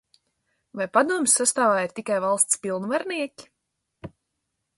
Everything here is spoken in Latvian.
Vai padomes sastāvā ir tikai valsts pilnvarnieki?